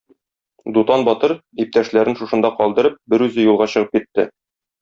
Дутан батыр, иптәшләрен шушында калдырып, берүзе юлга чыгып китте.